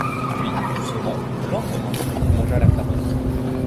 Puis, doucement, lentement, il mangea la carotte.